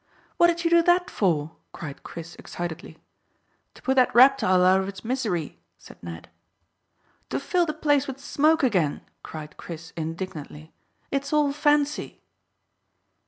"What did you do that for?" cried Chris excitedly. "To put that reptile out of its misery," said Ned. "To fill the place with smoke again," cried Chris indignantly. "It's all fancy."